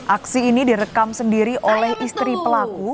aksi ini direkam sendiri oleh istri pelaku